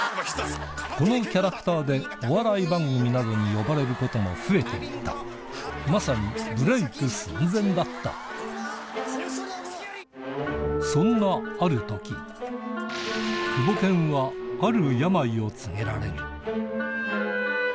このキャラクターでお笑い番組などに呼ばれることも増えて行ったまさにブレイク寸前だったそんなある時クボケンはえ？